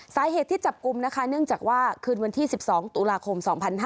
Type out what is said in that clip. สาเหตุที่จับกลุ่มนะคะเนื่องจากว่าคืนวันที่๑๒ตุลาคม๒๕๕๙